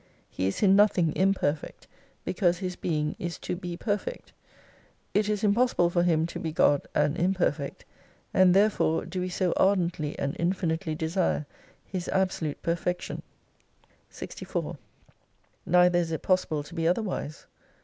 He is in nothing imperfect, because His Being is to be pei fect. It is impossible for Him to be God and imper fect : and therefore do we so ardently and infinitely desire His absolute perfection. 64 Neither is it possible to be otherwise.